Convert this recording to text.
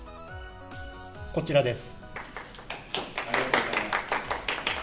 こちらです。